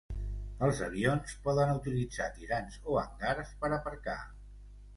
Els avions poden utilitzar tirants o hangars per aparcar.